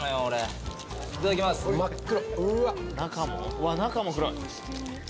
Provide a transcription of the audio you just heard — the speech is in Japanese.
うわっ中も黒い。